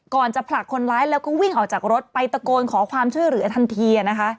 จะผลักคนร้ายแล้วก็วิ่งออกจากรถไปตะโกนขอความช่วยเหลือทันทีนะคะ